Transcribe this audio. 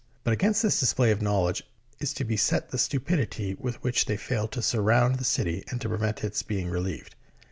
But against this display of knowledge is to be set the stupidity with which they failed to surround the city and to prevent its being relieved.